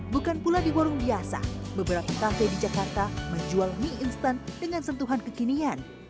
bukan pula di warung biasa beberapa kafe di jakarta menjual mie instan dengan sentuhan kekinian